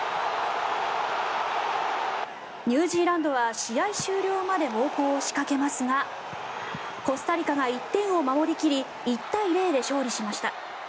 ニュージーランドは試合終了まで猛攻を仕掛けますがコスタリカが１点を守り切り１対０で勝利しました。